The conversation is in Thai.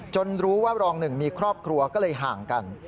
รู้ว่ารองหนึ่งมีครอบครัวก็เลยห่างกัน